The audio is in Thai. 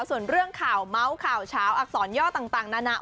ส่วนเรื่องข่าวเมาส์ข่าวเฉาอักษรย่อต่างนานา